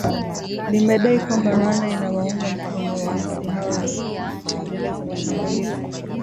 limedai kwamba Rwanda inawaunga mkono waasi hao kutekeleza mashambulizi